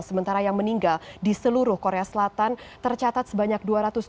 sementara yang meninggal di seluruh korea selatan tercatat sebanyak